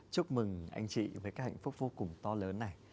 chúc mừng anh chị với cái hạnh phúc vô cùng to lớn này